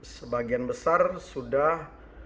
sebagian besar sudah